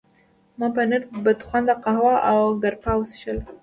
ما پنیر، بدخونده قهوه او ګراپا څښلي وو.